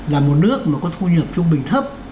là một nước có thu nhập trung bình thấp